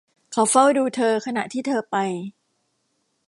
เขาเฝ้าดูเธอขณะที่เธอไป